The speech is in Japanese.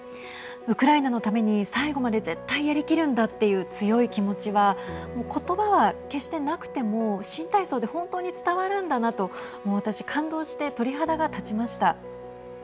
ウクライナのために最後まで絶対やりきるんだという強い気持ちは言葉は決してなくても新体操で本当に伝わるんだなと私、感動して鳥肌が立ちました。